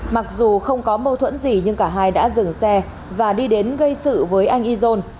mặc dù không có mâu thuẫn gì nhưng cả hai đã dừng xe và đi đến gây sự với anh izon